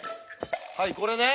はいこれね。